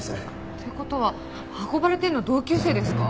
って事は運ばれてるの同級生ですか？